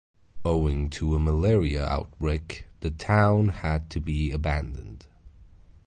Owing to a malaria outbreak, the town had to be abandoned.